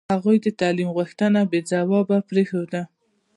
هغوی د تعلیم غوښتنه بې ځوابه پرېښوده.